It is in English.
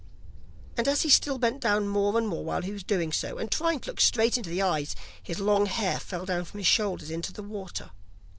And as he still bent down more and more while he was doing so, and trying to look straight into the eyes, his long hair fell down from his shoulders into the water.